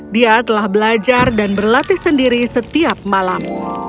dia telah belajar dan berlatih sendiri setiap malam